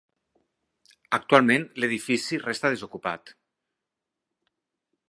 Actualment l'edifici resta desocupat.